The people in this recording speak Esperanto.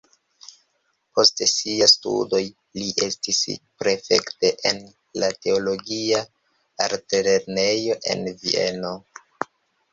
Post siaj studoj li estis prefekto en la teologia altlernejo en Vieno.